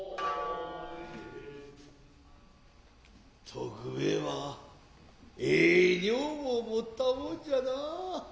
徳兵衛はええ女房を持ったもんじゃなァ。